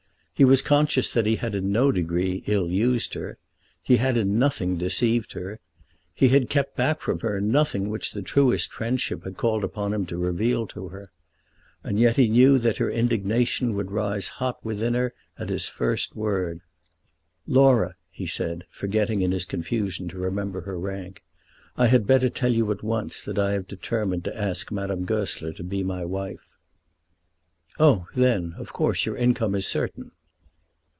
He was conscious that he had in no degree ill used her. He had in nothing deceived her. He had kept back from her nothing which the truest friendship had called upon him to reveal to her. And yet he knew that her indignation would rise hot within her at his first word. "Laura," he said, forgetting in his confusion to remember her rank, "I had better tell you at once that I have determined to ask Madame Goesler to be my wife." "Oh, then; of course your income is certain."